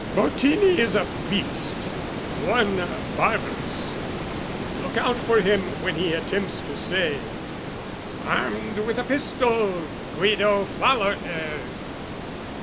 Bottini is a beast, one barbarous: Look out for him when he attempts to say "Armed with a pistol, Guido followed her!"